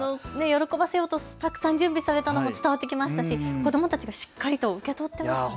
喜ばせようとたくさん準備されたのも伝わってきましたし子どもたちもしっかりと受け取っていましたね。